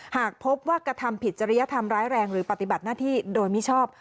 หากพบว่ากระทำผิดจริยธรรมร้ายแรงหรือปฏิบัติหน้าที่โดยมิชอบ